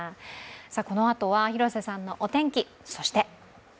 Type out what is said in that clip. このあとは広瀬さんのお天気、そして。